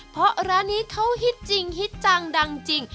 เพราะร้านนี้เขาฮิตจริงฮิตจังดังจริง